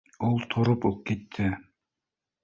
— Ул тороп уҡ китте